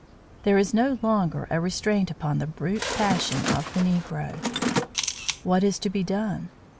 There is no longer a restraint upon the brute passion of the Negro. What is to be done?